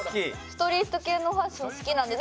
ストリート系のファッション好きなんで。